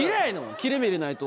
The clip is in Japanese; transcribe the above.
切れ目入れないと。